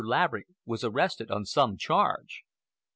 Laverick was arrested on some charge."